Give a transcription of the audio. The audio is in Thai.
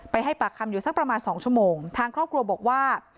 ให้ปากคำอยู่สักประมาณสองชั่วโมงทางครอบครัวบอกว่า